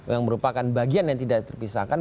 yang merupakan bagian yang tidak terpisahkan